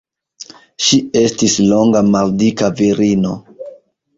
Ŝi estis longa maldika virino.